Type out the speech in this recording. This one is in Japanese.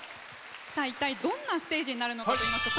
さあいったいどんなステージになるのかといいますと。